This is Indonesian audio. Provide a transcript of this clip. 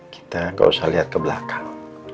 kita gak usah lihat ke belakang